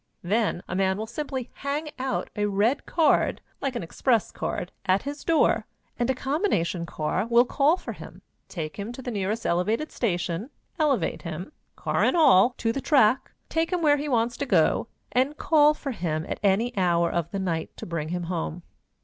Then a man will simply hang out a red card, like an express card, at his door, and a combination car will call for him, take him to the nearest elevated station, elevate him, car and all, to the track, take him where he wants to go, and call for him at any hour of the night to bring him home.